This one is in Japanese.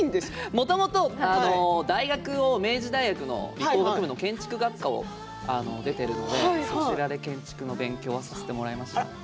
もともと大学、明治大学の理工学部の建築学科を出ているのでそちらで建築の勉強をさせていただきました。